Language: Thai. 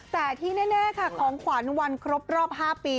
แต่ที่แน่ค่ะของขวัญวันครบรอบ๕ปี